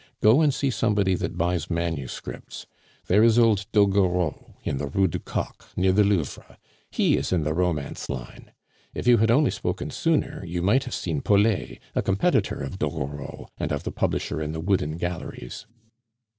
Go and see somebody that buys manuscripts. There is old Doguereau in the Rue du Coq, near the Louvre, he is in the romance line. If you had only spoken sooner, you might have seen Pollet, a competitor of Doguereau and of the publisher in the Wooden Galleries."